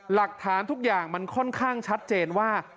หลักฐานทุกอย่างมันค่อนข้างชัดเจนว่า